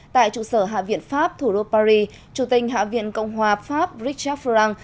tại trụ sở hạ viện pháp thủ đô paris chủ tịch hạ viện cộng hòa pháp richard farrand